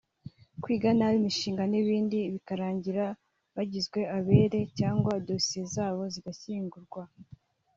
kwiga nabi imishinga n’ibindi bikarangira bagizwe abere cyangwa dosiye zabo zigashyingurwa